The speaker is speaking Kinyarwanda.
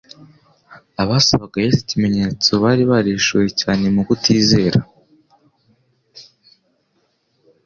Abasabaga Yesu ikimenyetso bari barishoye cyane mu kutizera